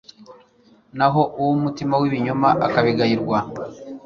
naho uw’umutima w’ibinyoma akabigayirwa